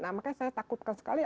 nah makanya saya takutkan sekali